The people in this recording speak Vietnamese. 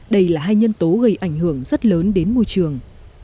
đây là hai nhân tố gây ảnh hưởng rất lớn đến môi trường